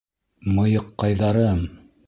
Мыйыҡҡайҙарым!